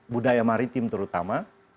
budaya maritim terutama